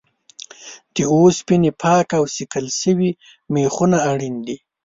د اوسپنې پاک او صیقل شوي میخونه اړین دي.